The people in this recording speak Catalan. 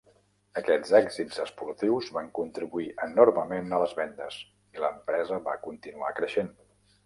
Aquests èxits esportius van contribuir enormement a les vendes, i l'empresa va continuar creixent.